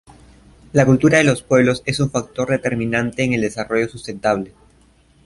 La cultura de los pueblos es un factor determinante en el desarrollo sustentable.